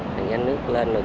thì nhanh nước lên rồi